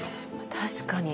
確かに。